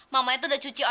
mamanya tuh udah cuci otot